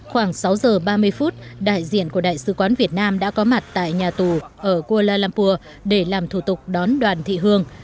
khoảng sáu giờ ba mươi phút đại diện của đại sứ quán việt nam đã có mặt tại nhà tù ở kuala lumpur để làm thủ tục đón đoàn thị hương